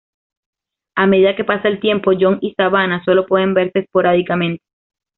A medida que pasa el tiempo, John y Savannah solo pueden verse esporádicamente.